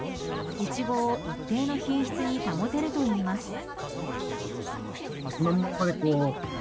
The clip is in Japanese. イチゴを一定の品質に保てるといいます。